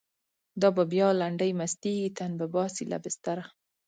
دا به بیا لنډۍ مستیږی، تن به باسی له بستره